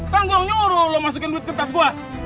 kan gua yang nyuruh lu masukin duit ke tas gua